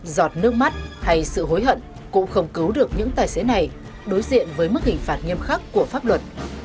giọt nước mắt hay sự hối hận cũng không cứu được những tài xế này đối diện với mức hình phạt nghiêm khắc của pháp luật